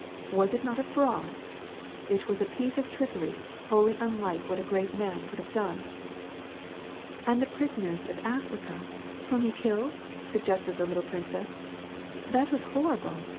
Was it not a fraud ? It was a piece of trickery wholly unlike what a great man could have done.''* "And the prisoners in Africa, whom he killed ?" suggested the little princess. " That was horrible